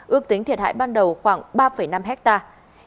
ước tính thiệt hại ban đầu khoảng ba năm hectare